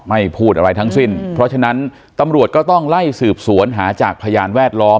ไม่พูดอะไรทั้งสิ้นเพราะฉะนั้นตำรวจก็ต้องไล่สืบสวนหาจากพยานแวดล้อม